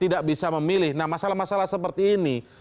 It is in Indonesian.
tidak bisa memilih nah masalah masalah seperti ini